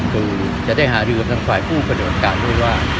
คือจะได้หารือกระต่างสายผู้ประโดยการด้วยว่า